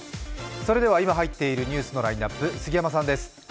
それでは今入っているニュースのラインナップ杉山さんです。